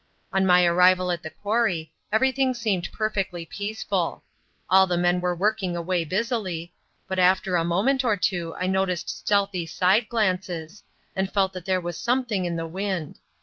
On my arrival at the quarry, everything seemed perfectly peaceful. All the men were working away busily, but after a moment or two I noticed stealthy side glances, and felt that there was something in the wind.